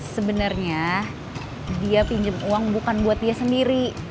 sebenarnya dia pinjam uang bukan buat dia sendiri